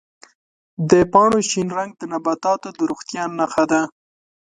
د پاڼو شین رنګ د نباتاتو د روغتیا نښه ده.